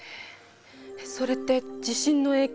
えそれって地震の影響？